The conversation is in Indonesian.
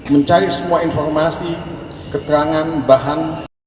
mencari semua informasi keterangan bahan